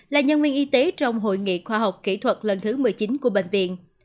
là nhân viên y tế trong hội nghị khoa học kỹ thuật lần thứ một mươi chín của bệnh viện